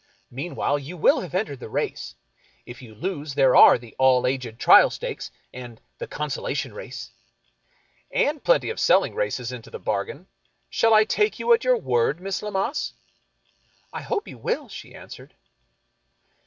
Meanwhile, you will have entered for the race. If you lose, there are the * All aged Trial Stakes,' and the ' Consolation Race.' "" And plenty of selling races into the bargain. Shall I take you at your word. Miss Lammas ?"" I hope you will," she answered.